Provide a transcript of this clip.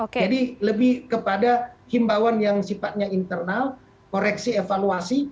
jadi lebih kepada himbawan yang sifatnya internal koreksi evaluasi